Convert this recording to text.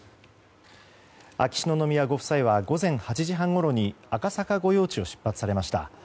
秋篠宮ご夫妻は午前８時半ごろに赤坂御用地を出発されました。